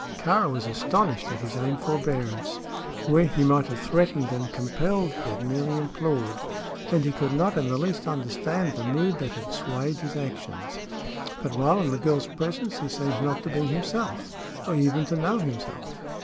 Kāra was astonished at his own forbearance. Where he might have threatened and compelled he had merely implored, and he could not in the least understand the mood that had swayed his actions. But while in the girl's presence he seemed not to be himself, or even to know himself.